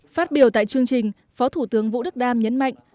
phát biểu tại chương trình phó thủ tướng vũ đức đam nhấn mạnh